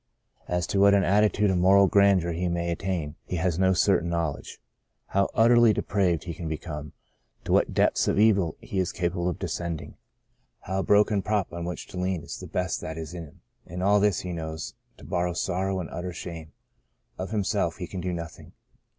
As to what an attitude of moral grandeur he may attain, he has no certain knowledge. How utterly de praved he can become, to what depths of evil he is capable of descending, how broken a 22 The Greatest of These prop on which to lean is the best that is in him — all this he knows, to his sorrow and ut ter shame. Of himself he can do nothing.